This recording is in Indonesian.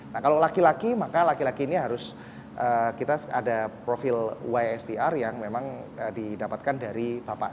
nah kalau laki laki maka laki laki ini harus kita ada profil ystr yang memang didapatkan dari bapak